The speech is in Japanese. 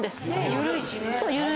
緩いしね。